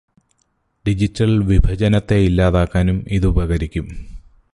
Digital വിഭജനത്തെ ഇല്ലാതാക്കാനും ഇതുപകരിക്കും.